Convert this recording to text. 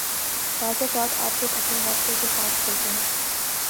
بعض اوقات آپ صرف اپنے حوصلہ کے ساتھ چلتے ہیں